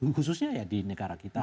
khususnya di negara kita